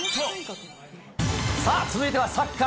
さあ、続いてはサッカー。